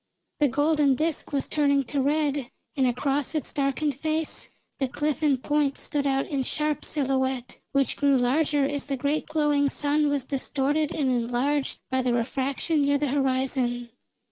The golden disk was turning to red and across its darkened face the cliff and Point stood out in sharp silhouette, which grew larger as the great glowing sun was distorted and enlarged by the refraction near the horizon.